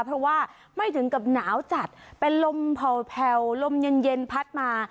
เพราะว่าไม่ถึงกับหนาวจัดเป็นลมแผ่วลมเย็นพัดมา